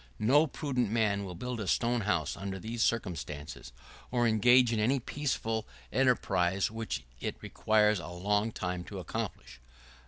No prudent man will build a stone house under these circumstances, or engage in any peaceful enterprise which it requires a long time to accomplish.